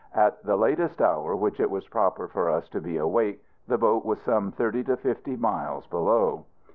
At the latest hour which it was proper for us to be awake, the boat was some thirty to fifty miles below.